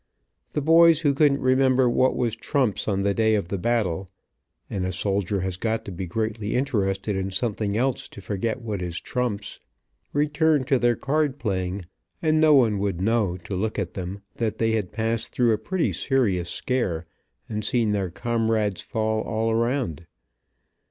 The boys who couldn't remember what was trumps on the day of the battle (and a soldier has got to be greatly interested in something else to forget what is trumps) returned to their card playing, and no one would know, to look at them, that they had passed through a pretty serious scare, and seen their comrades fall all around.